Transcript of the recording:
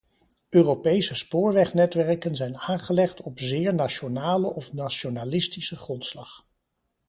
Europese spoorwegnetwerken zijn aangelegd op zeer nationale of nationalistische grondslag.